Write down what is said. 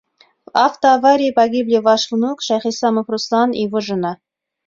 «В автоаварии погибли ваш внук Шайхисламов Руслан и его жена...»